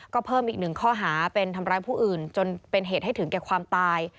ก็เพิ่มอีกหนึ่งข้อหาเป็นทำร้ายผู้อื่นจนเป็นเหตุให้ถึงแก่ความตาย